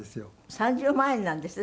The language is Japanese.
３０万円なんですって？